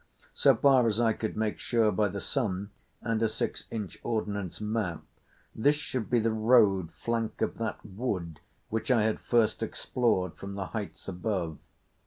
So far as I could make sure by the sun and a six inch Ordnance map, this should be the road flank of that wood which I had first explored from the heights above.